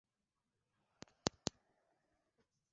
Tafuta picha nyingine ambapo mnyama anasugua katika sehemu flani